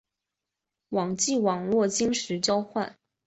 网际网路金钥交换。